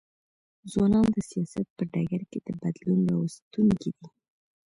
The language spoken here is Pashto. ځوانان د سیاست په ډګر کي د بدلون راوستونکي دي.